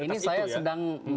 ini saya sedang